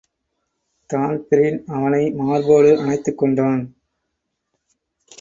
Dan Breen அவனை மார்போடு அனைத்துக் கொண்டான்.